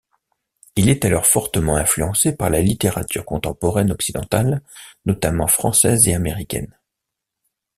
Il est alors fortement influencé par la littérature contemporaine occidentale, notamment française et américaine.